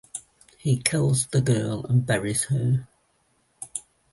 He kills the girl and buries her.